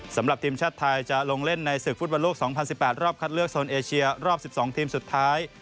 สำหรับทีมชาติไทยจะลงเล่นในศึกฟุตบอลโลก๒๐๑๘รอบคัดเลือกโซนเอเชียรอบ๑๒ทีมสุดท้าย